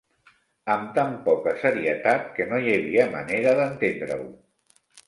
Am tant poca serietat que no hi havia manera d'entendre-ho